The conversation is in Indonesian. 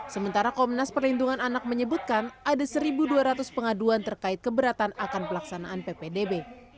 sementara komnas perlindungan anak menyebutkan ada satu dua ratus pengaduan terkait keberatan akan pelaksanaan ppdb